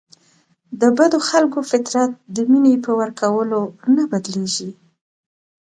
د بدو خلکو فطرت د مینې په ورکولو نه بدلیږي.